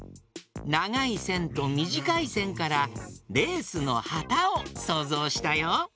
ながいせんとみじかいせんからレースのはたをそうぞうしたよ。